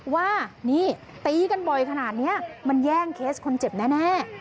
ว่านี่ตีกันบ่อยขนาดนี้มันแย่งเคสคนเจ็บแน่